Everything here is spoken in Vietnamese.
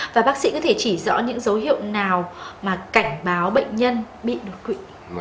và bác sĩ có thể chỉ rõ những dấu hiệu nào mà cảnh báo bệnh nhân bị đột quỵ